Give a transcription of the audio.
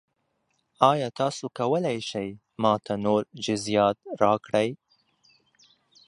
ایا تاسو کولی شئ ما ته نور جزئیات راکړئ؟